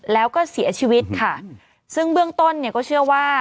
แล้วก็เสียชีวิตค่ะซึ่งเบื้องต้นเนี่ยก็เชื่อว่า